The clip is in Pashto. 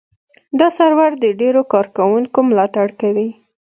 دا سرور د ډېرو کاروونکو ملاتړ کوي.